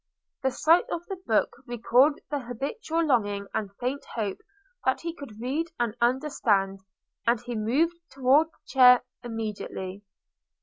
The sight of the book recalled the habitual longing and faint hope that he could read and understand, and he moved towards the chair immediately.